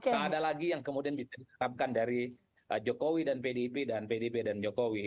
tak ada lagi yang kemudian bisa diterapkan dari jokowi dan pdip dan pdip dan jokowi